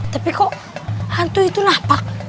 tapi kok hantu itu lapak